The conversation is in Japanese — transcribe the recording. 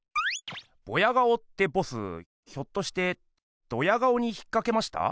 ボヤ顔ってボスひょっとしてドヤ顔に引っかけました？